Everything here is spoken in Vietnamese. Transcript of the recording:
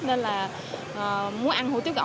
nên là muốn ăn hủ tiếu gõ